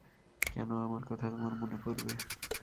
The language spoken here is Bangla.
কেন, আমার কথা তোমার মনে পড়বে?